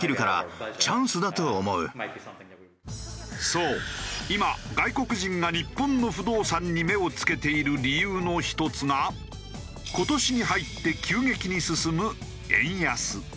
そう今外国人が日本の不動産に目を付けている理由の１つが今年に入って急激に進む円安。